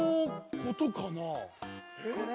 これ？